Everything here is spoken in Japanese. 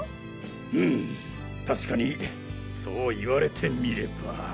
うむ確かにそう言われてみれば。